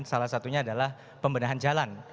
salah satunya adalah pembenahan jalan